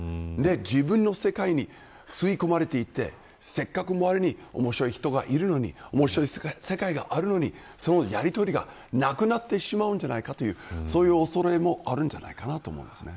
自分の世界に吸い込まれていってせっかく周りに面白い人がいるのに面白い世界があるのにそのやりとりがなくなってしまうんじゃないかというそういう恐れもあるんじゃないかなと思います。